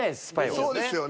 そうですよね。